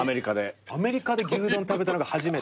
アメリカで牛丼食べたのが初めて？